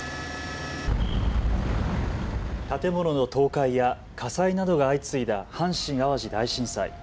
建物の倒壊や火災などが相次いだ阪神・淡路大震災。